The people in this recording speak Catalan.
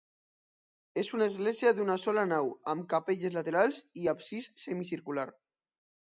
És una església d'una sola nau, amb capelles laterals i absis semicircular.